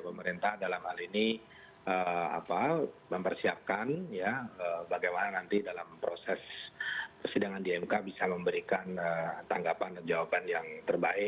pemerintah dalam hal ini mempersiapkan bagaimana nanti dalam proses persidangan di mk bisa memberikan tanggapan dan jawaban yang terbaik